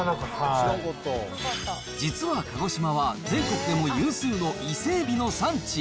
実は鹿児島は全国でも有数の伊勢エビの産地。